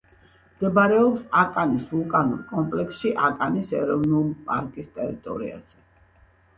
მდებარეობს აკანის ვულკანურ კომპლექსში, აკანის ეროვნულ პარკის ტერიტორიაზე.